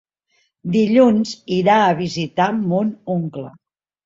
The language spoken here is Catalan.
Dilluns irà a visitar mon oncle.